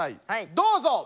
どうぞ！